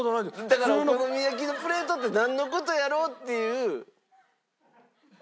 だからお好み焼きのプレートってなんの事やろう？っていう事の。